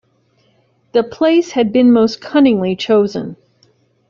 The place had been most cunningly chosen.